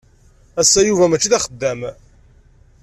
Ass-a, Yuba mačči d axeddam.